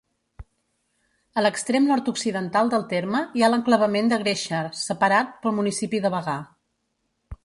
A l'extrem nord-occidental del terme hi ha l'enclavament de Gréixer, separat pel municipi de Bagà.